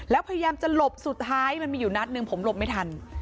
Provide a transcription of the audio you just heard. แล้วพยายามจะหลบสุดท้ายมันมีอยู่นัดหนึ่งผมหลบไม่ทัน